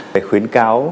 để khuyến cáo